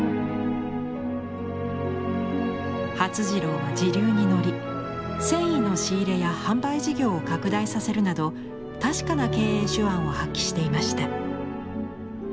發次郎は時流に乗り繊維の仕入れや販売事業を拡大させるなど確かな経営手腕を発揮していました。